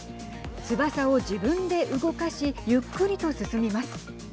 翼を自分で動かしゆっくりと進みます。